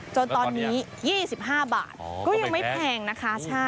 จนตอนนี้๒๕บาทก็ยังไม่แพงนะคะ